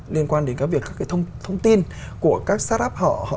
liên quan đến các việc các cái thông tin của các start up họ